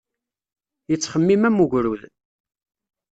Yettxemmim am ugrud.